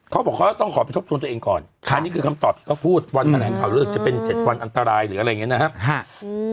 เขาบอกเขาต้องขอไปทบทวนตัวเองก่อนอันนี้คือคำตอบที่เขาพูดวันแถลงข่าวเลิกจะเป็น๗วันอันตรายหรืออะไรอย่างนี้นะครับ